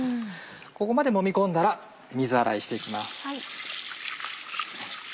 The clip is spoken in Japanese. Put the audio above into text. ここまでもみ込んだら水洗いして行きます。